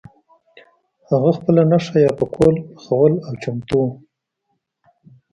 هغه خپله نښه یا پکول پخول او چمتو وو.